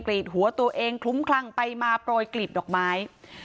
รีดหัวตัวเองคลุ้มคลั่งไปมาโปรยกลีบดอกไม้